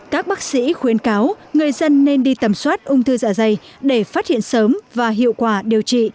các bác sĩ khuyến cáo người dân nên đi tầm soát ung thư dạ dày để phát hiện sớm và hiệu quả điều trị